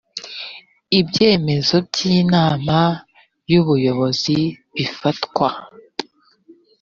ibyemezo by inama y ubuyobozi bifatwa